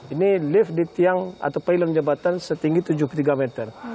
ini lift di tiang atau pileng jabatan setinggi tujuh puluh tiga meter